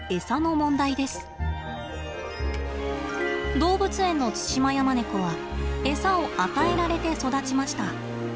動物園のツシマヤマネコはエサを与えられて育ちました。